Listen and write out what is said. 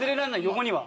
横には。